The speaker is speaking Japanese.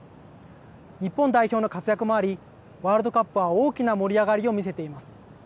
日本代表の活躍もあり、ワールドカップは大きな盛り上がりを見せています。